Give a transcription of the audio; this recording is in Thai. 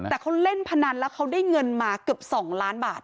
แต่เขาเล่นพนันแล้วเขาได้เงินมาเกือบ๒ล้านบาท